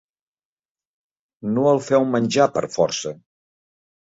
No el feu menjar per força.